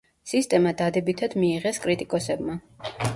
სისტემა დადებითად მიიღეს კრიტიკოსებმა.